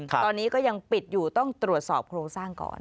ตอนนี้ก็ยังปิดอยู่ต้องตรวจสอบโครงสร้างก่อน